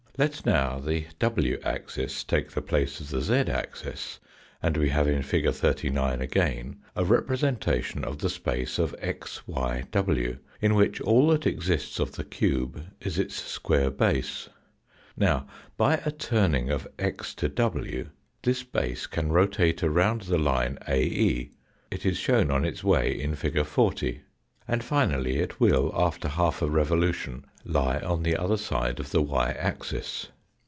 Let now the w axis take the place of the z axis and we have, in fig. 39 again, a repre sentation of the space of xyiv, in A C which all that exists of the cube is its square base. Now, by a turning of x to w, this base can rotate around the line AE, it is shown on its way in fig. 40, and finally it will, after half a revolution, lie on the other side of the y axis.